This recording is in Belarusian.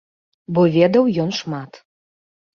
Бо ведаў ён шмат.